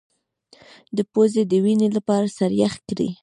د پوزې د وینې لپاره سر یخ کړئ